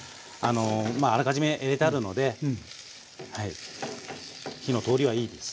まああらかじめ入れてあるのではい火の通りはいいです。